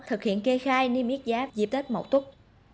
thực hiện kê khai niêm yết giá dịp tết mẫu tuất